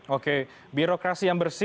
oke birokrasi yang bersih